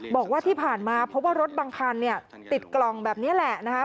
บอกว่าที่ผ่านมาพบว่ารถบางคันเนี่ยติดกล่องแบบนี้แหละนะคะ